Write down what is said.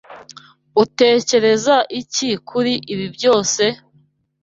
Utekereza iki kuri ibi byose?